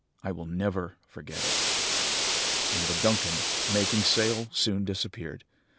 I will never forget it!' "And the Duncan, making sail, soon disappeared.